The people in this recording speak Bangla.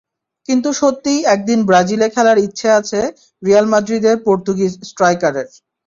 কিন্তু সত্যিই একদিন ব্রাজিলে খেলার ইচ্ছে আছে রিয়াল মাদ্রিদের পর্তুগিজ স্ট্রাইকারের।